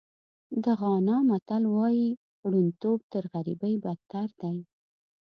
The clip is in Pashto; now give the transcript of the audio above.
د غانا متل وایي ړوندتوب تر غریبۍ بدتر دی.